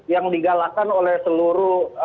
yang digalakan oleh seluruh